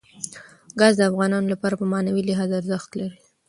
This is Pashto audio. ګاز د افغانانو لپاره په معنوي لحاظ ارزښت لري.